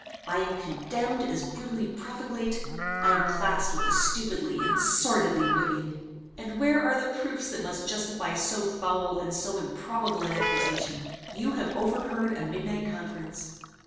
I am condemned as brutally profligate: I am classed with the stupidly and sordidly wicked. "And where are the proofs that must justify so foul and so improbable an accusation? You have overheard a midnight conference.